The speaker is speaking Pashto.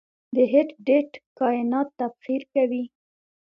د هیټ ډیت کائنات تبخیر کوي.